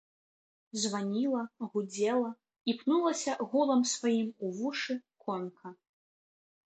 Званіла, гудзела і пнулася гулам сваім у вушы конка.